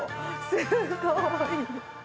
すごーい。